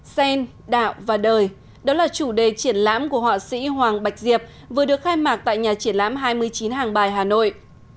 sen đạo và đời đó là chủ đề triển lãm của họa sĩ hoàng bạch diệp vừa được khai mạc tại nhà triển lãm hai mươi chín hàng bài hà nội